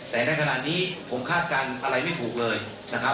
แต่ถ้าขนาดนี้ผมคาดกันอะไรไม่ถูกเลยนะครับ